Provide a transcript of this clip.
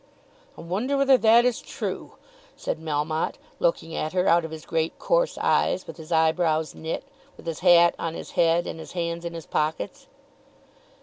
"I wonder whether that is true," said Melmotte, looking at her out of his great coarse eyes, with his eyebrows knit, with his hat on his head and his hands in his pockets.